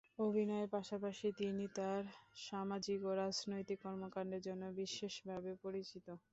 অভিনয়ের পাশাপাশি তিনি তার সামাজিক ও রাজনৈতিক কর্মকাণ্ডের জন্য বিশেষভাবে পরিচিত।